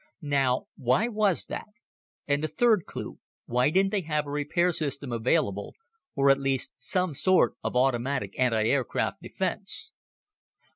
"Now why was that? And the third clue, why didn't they have a repair system available, or at least some sort of automatic antiaircraft defense?"